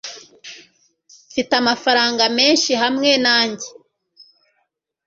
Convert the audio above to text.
mfite amafaranga menshi hamwe nanjye